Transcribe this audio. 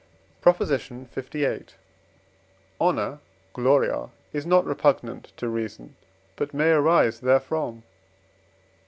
PROP. LVIII. Honour (gloria) is not repugnant to reason, but may arise therefrom.